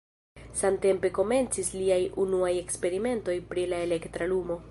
Samtempe komencis liaj unuaj eksperimentoj pri la elektra lumo.